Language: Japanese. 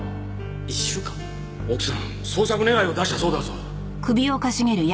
奥さん捜索願を出したそうだぞ。